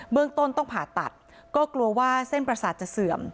เมืองต้นต้องผ่าตัดก็กลัวว่าเส้นประสาทจะเสื่อม